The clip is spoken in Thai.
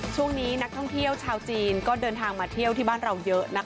ช่วงนี้นักท่องเที่ยวชาวจีนก็เดินทางมาเที่ยวที่บ้านเราเยอะนะคะ